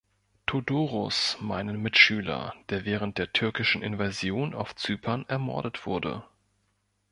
Thodoros, meinen Mitschüler, der während der türkischen Invasion auf Zypern ermordet wurde.